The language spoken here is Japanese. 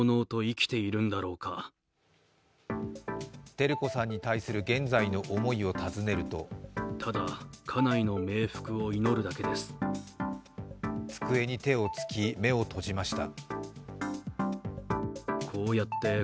照子さんに対する現在の思いを尋ねると机に手をつき目を閉じました。